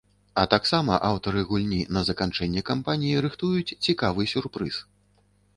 А таксама аўтары гульні на заканчэнне кампаніі рыхтуюць цікавы сюрпрыз.